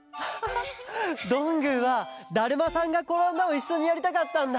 どんぐーは「だるまさんがころんだ」をいっしょにやりたかったんだ。